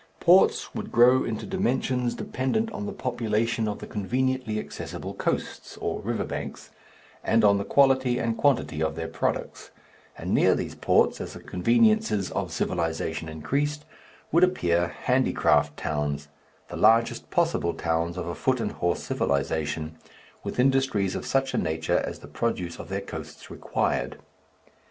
Ports would grow into dimensions dependent on the population of the conveniently accessible coasts (or river banks), and on the quality and quantity of their products, and near these ports, as the conveniences of civilization increased, would appear handicraft towns the largest possible towns of a foot and horse civilization with industries of such a nature as the produce of their coasts required.